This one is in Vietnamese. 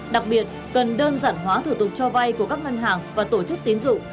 đặc biệt cần đơn giản hóa thủ tục cho vay của các ngân hàng và tổ chức tiến dụng